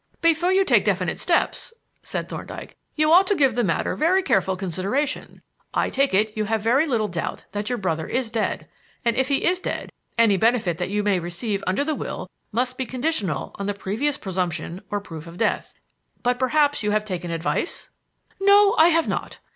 "Before you take definite steps," said Thorndyke, "you ought to give the matter very careful consideration. I take it that you have very little doubt that your brother is dead. And if he is dead, any benefit that you may receive under the will must be conditional on the previous presumption or proof of death. But perhaps you have taken advice?" "No, I have not.